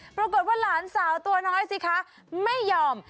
ปรากฏว่าหลานสาวตัวน้อยสิคะไม่ยอม